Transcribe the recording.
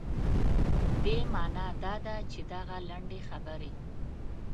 دې معنا دا ده چې دغه لنډې خبرې.